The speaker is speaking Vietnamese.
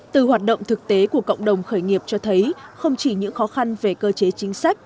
từ hoạt động thực tế của cộng đồng khởi nghiệp cho thấy không chỉ những khó khăn về cơ chế chính sách